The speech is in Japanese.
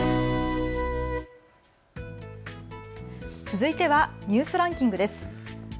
続いてはニュースランキングです。